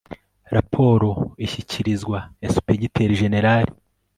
raporo ishyikirizwa ensipegiteri jenerali